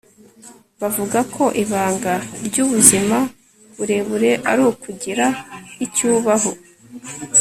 bavuga ko ibanga ryubuzima burebure ari ukugira icyo ubaho